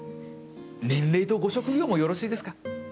年齢とご職業もよろしいですか？